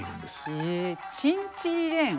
へえ「チンチリレン」。